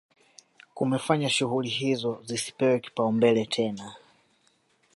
Kumefanya shughuli hizo zisipewe kipaumbele tena